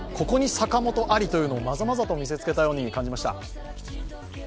ここに坂本ありというのをまざまざと見せつけたように感じました。